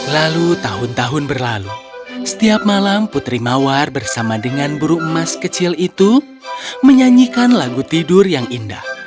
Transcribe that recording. lalu tahun tahun berlalu setiap malam putri mawar bersama dengan buru emas kecil itu menyanyikan lagu tidur yang indah